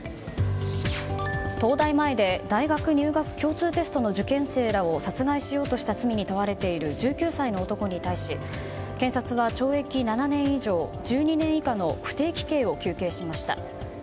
東大前で大学入学共通テストの受験生らを殺害しようとした罪に問われている１９歳の男に対し検察は懲役７年以上１２年以下の不定期刑を求刑しました。